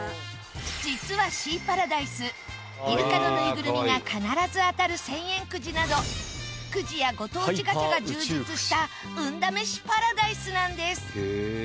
実はシーパラダイスイルカのぬいぐるみが必ず当たる１０００円くじなどくじやご当地ガチャが充実した運試しパラダイスなんです。